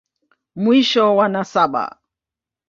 Mwisho wa nasaba.